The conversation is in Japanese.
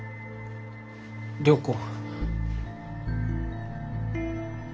良子。